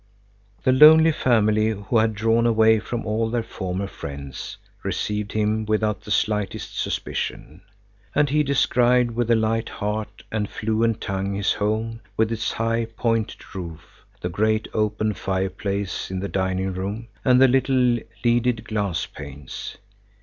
The lonely family who had drawn away from all their former friends, received him without the slightest suspicion. And he described with a light heart and fluent tongue his home with its high, pointed roof, the great open fireplace in the dining room and the little leaded glass panes.